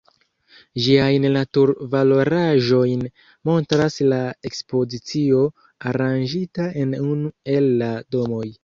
Ĝiajn natur-valoraĵojn montras la ekspozicio aranĝita en unu el la domoj.